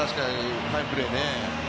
ファインプレーね。